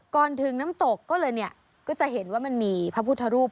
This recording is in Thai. ก่อนถึงน้ำตกก็เลยเนี่ยก็จะเห็นว่ามันมีพระพุทธรูป